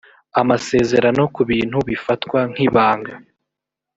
amasezerano ku bintu bifatwa nk’ibanga